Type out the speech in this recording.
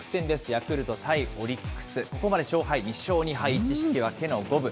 ヤクルト対オリックス、ここまで勝敗２勝２敗１引き分けの五分。